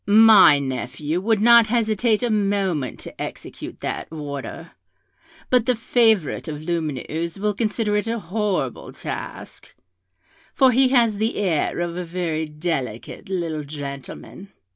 My nephew would not hesitate a moment to execute that order; but the favourite of Lumineuse will consider it a horrible task, for he has the air of a very delicate little gentleman.